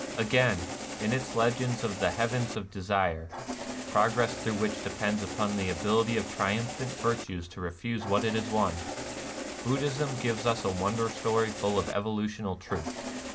Again, in its legend of the Heavens of De sire, — progress through which depends upon the ability of triumphant virtue to refuse what it has won, — Buddhism gives us a won der story full of evolutional truth.